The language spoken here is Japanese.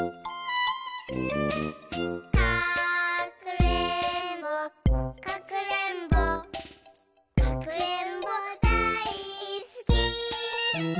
「かくれんぼかくれんぼかくれんぼだいすき」